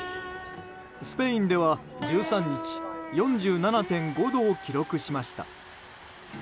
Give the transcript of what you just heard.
スペインでは１３日４７．５度を記録しました。